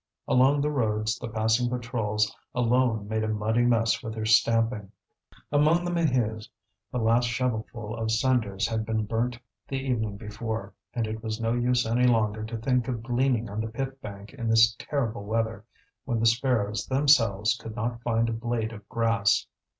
Along the roads the passing patrols alone made a muddy mess with their stamping. Among the Maheus the last shovelful of cinders had been burnt the evening before, and it was no use any longer to think of gleaning on the pit bank in this terrible weather, when the sparrows themselves could not find a blade of grass.